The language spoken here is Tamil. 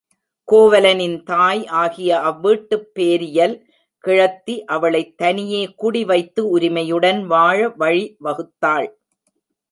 கோவலனின் தாய் ஆகிய அவ்வீட்டுப் பேரியல் கிழத்தி அவளைத் தனியே குடி வைத்து உரிமையுடன் வாழ வழி வகுத்தாள்.